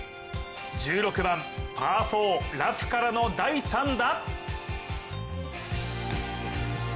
１６番、パー４ラフからの第３打。